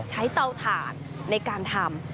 เตาถ่านในการทำ